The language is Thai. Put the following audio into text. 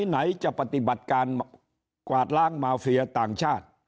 ไหนจะปฏิบัติการกวาดล้างมาเฟียต่างชาติ